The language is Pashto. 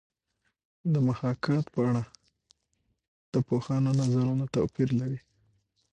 د محاکات په اړه د پوهانو نظرونه توپیر لري